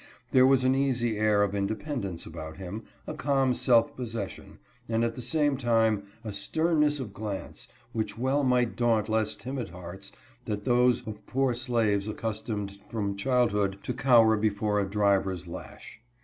There was an easy air of independence about him, a calm self possession, and at the same time a sternness of glance which well might daunt less timid hearts that those of poor slaves accustomed from childhood to cower before a driver's lash.